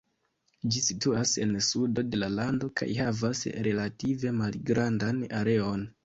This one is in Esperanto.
Ĝi situas en sudo de la lando kaj havas relative malgrandan areon.